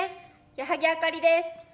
矢作あかりです。